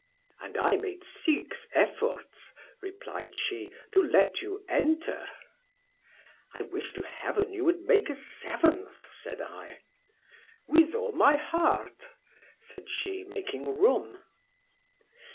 —And I made six efforts, replied she, to let you enter.—I wish to heaven you would make a seventh, said I.—With all my heart, said she, making room.